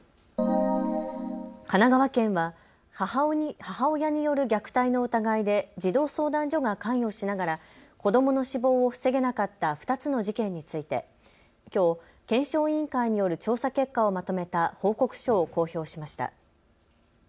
神奈川県は母親による虐待の疑いで児童相談所が関与しながら子どもの死亡を防げなかった２つの事件について、きょう検証委員会による調査結果をまとめた報告書を公表しました。